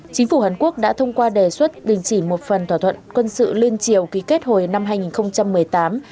chính phủ hàn quốc đã thông qua đề xuất đình chỉ một phần thỏa thuận quân sự liên triều ký kết hồi năm hai nghìn một mươi tám